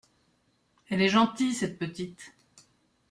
Elle est gentille, cette petite…